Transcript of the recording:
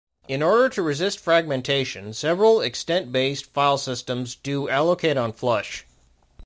In order to resist fragmentation, several extent-based file systems do allocate-on-flush.